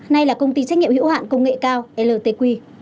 nay là công ty trách nhiệm hữu hạn công nghệ cao ltq